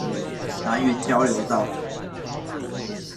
南雲交流道